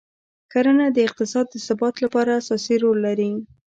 کرنه د اقتصاد د ثبات لپاره اساسي رول لري.